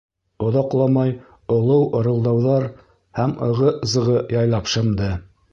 Оҙаҡламай олоу-ырылдауҙар һәм ығы-зығы яйлап шымды.